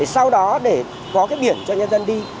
sau đó để có cái biển cho nhân dân đi